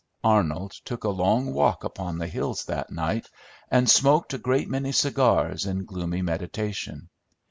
Arnold took a long walk upon the hills that night, and smoked a great many cigars in gloomy meditation.